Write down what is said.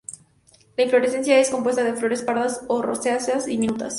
La inflorescencia es compuesta de flores pardas o rosáceas, diminutas.